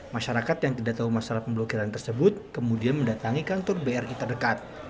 masyarakat yang tidak tahu masalah pemblokiran tersebut kemudian mendatangi kantor bri terdekat